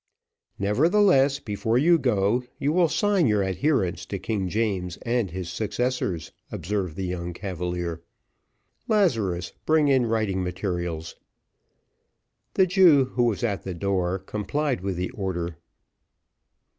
"Nevertheless, before you go you will sign your adherence to King James and his successors," observed the young cavalier. "Lazarus, bring in writing materials." The Jew, who was at the door, complied with the order.